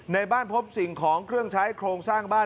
ในบ้านพบสิ่งของเครื่องใช้โครงสร้างบ้าน